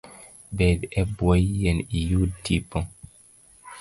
Bed e bwo yien iyud tipo